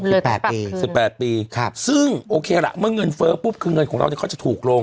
สิบแปดปีสิบแปดปีครับซึ่งโอเคล่ะเมื่อเงินเฟ้อปุ๊บคือเงินของเราเนี้ยเขาจะถูกลง